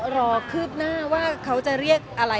คืบหน้าว่าเขาจะเรียกอะไร